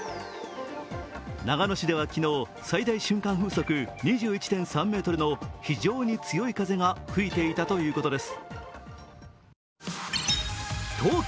長野市では昨日、最大瞬間風速２１．３ｍの非常に強い風が吹いていたということです。